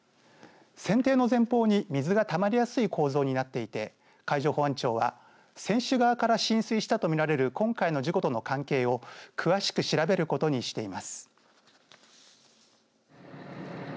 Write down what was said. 船底の前方に水がたまりやすい構造になっていて海上保安庁は船首側から浸水したと見られる今回の事故との関係を詳しく調べることにしています。